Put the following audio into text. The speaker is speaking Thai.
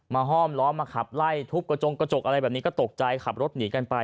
ห้อมล้อมมาขับไล่ทุบกระจงกระจกอะไรแบบนี้ก็ตกใจขับรถหนีกันไป